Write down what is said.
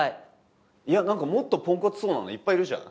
いや何かもっとポンコツそうなのいっぱいいるじゃん